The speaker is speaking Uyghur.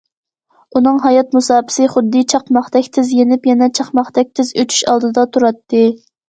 ئۇنىڭ ھايات مۇساپىسى خۇددى چاقماقتەك تېز يېنىپ، يەنە چاقماقتەك تېز ئۆچۈش ئالدىدا تۇراتتى.